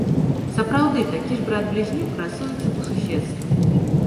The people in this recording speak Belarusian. Сапраўды такі ж брат-блізнюк красуецца па суседству.